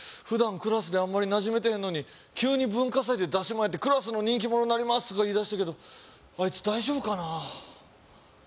普段クラスであんまりなじめてへんのに急に文化祭で出しもんやってクラスの人気者になりますとか言いだしたけどアイツ大丈夫かな？